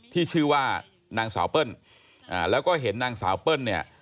ที่ชื่อว่านางสาวเปิ้ลแล้วก็เห็นนางสาวเปิ้ลเนี่ย